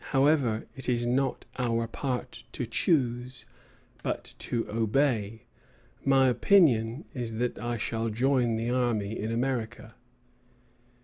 However, it is not our part to choose, but to obey. My opinion is that I shall join the army in America."